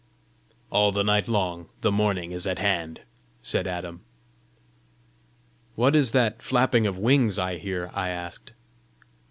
"All the night long the morning is at hand," said Adam. "What is that flapping of wings I hear?" I asked.